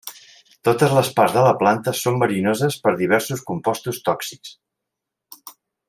Totes les parts de la planta són verinoses per diversos compostos tòxics.